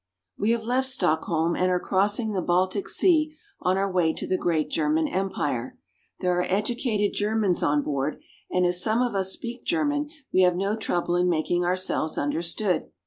WE have left Stock holm and are crossing the Baltic Sea on our way to the great German Empire. There are educated Germans on board, and as some of us speak German we have no trouble in mak ing ourselves under stood.